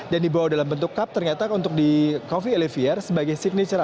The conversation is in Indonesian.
dan dibawa dalam bentuk cup ternyata untuk di coffee elevator sebagai signature